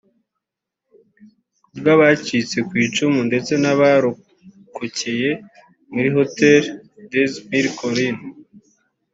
“Ku bw’abacitse ku icumu ndetse n’abarokokeye muri Hôtel des Mille Collines